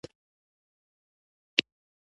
د تخم قیمت باید کروندګر ته د لاسرسي وړ وي.